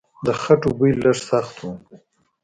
د خټو بوی لږ سخت و.